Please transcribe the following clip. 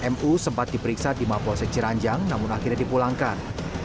mu sempat diperiksa di mapolsek ciranjang namun akhirnya dipulangkan